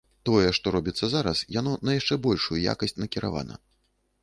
Тое, што робіцца зараз, яно на яшчэ большую якасць накіравана.